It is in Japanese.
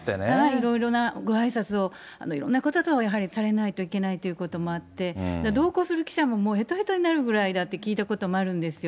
いろいろなごあいさつを、いろんな方と、やはりされないといけないということもあって、同行する記者もへとへとになるぐらいだって聞いたこともあるんですよ。